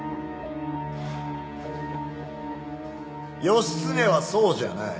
義経はそうじゃない。